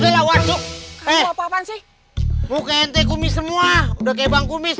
lu kenteng kumi semua udah kebang kumis